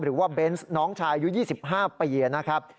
หรือว่าเบนส์น้องชายุ๒๕ปีนะครับ